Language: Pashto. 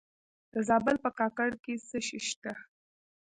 د زابل په کاکړ کې څه شی شته؟